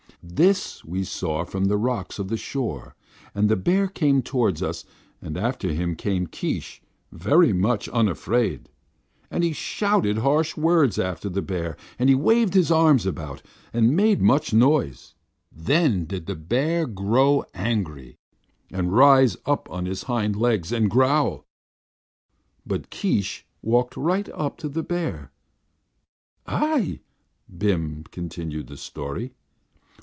This we saw from the rocks of the shore, and the bear came toward us, and after him came Keesh, very much unafraid. And he shouted harsh words after the bear, and waved his arms about, and made much noise. Then did the bear grow angry, and rise up on his hind legs, and growl. But Keesh walked right up to the bear." "Ay," Bim continued the story.